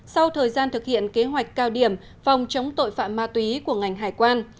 sau thời gian thực hiện kế hoạch cao điểm phòng chống tội phạm ma túy của ngành hải quan